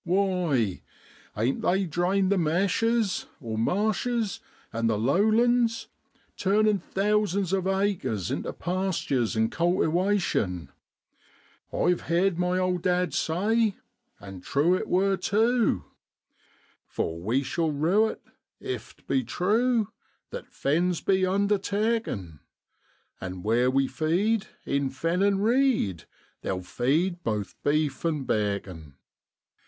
Why, ain't they drained the meshes (marshes) an' the low lands, turnin' thousands of acres into pastures and cultiwation ? I've heerd my owd dad say an' true it wor tu 4 For we shall rue it, if 't be true That Fens be undertaken ; An' where we feed in Fen an' reed, They'll feed both beef an' bacon.'